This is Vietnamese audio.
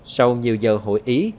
sau nhiều giờ hội ý